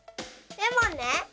レモンね！